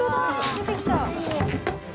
出てきた。